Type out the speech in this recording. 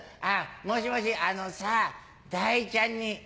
「もしもしあのさ太ちゃんに